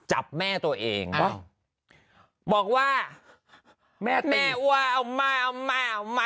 จับแม่ตัวเองอ่าวบอกว่าแม่ตีแม่ว่าเอามาเอามาเอามา